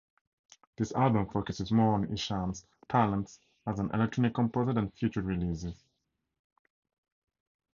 This album focuses more on Isham's talents as an electronic composer than future releases.